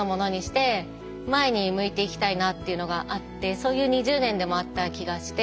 そういう２０年でもあった気がして。